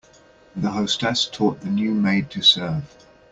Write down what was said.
The hostess taught the new maid to serve.